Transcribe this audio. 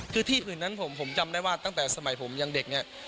คือที่อื่นนั้นผมจำได้ว่าตั้งแต่สมัยผมยังเด็กเนี่ย